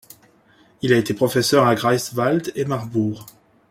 Il a été professeur à Greifswald et Marbourg.